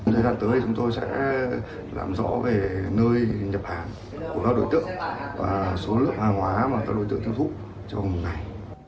thế gian tới chúng tôi sẽ làm rõ về nơi nhập hàng của các đối tượng và số lượng hàng hóa mà các đối tượng thiêu thúc trong một ngày